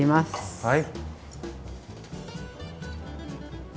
はい。